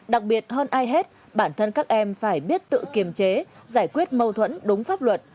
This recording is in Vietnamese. đặc biệt hơn ai hết bản thân các em phải biết tự kiềm chế giải quyết mâu thuẫn đúng pháp luật